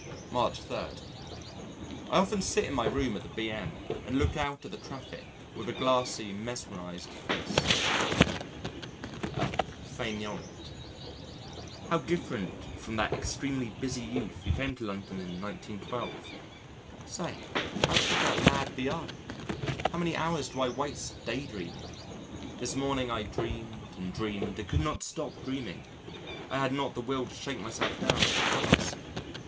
March 3. I often sit in my room at the B.M. and look out at the traffic with a glassy, mesmerised face a fainéant. How different from that extremely busy youth who came to London in 1912. Say could that lad be I? How many hours do I waste day dreaming. This morning I dreamed and dreamed and could not stop dreaming I had not the will to shake myself down to my task....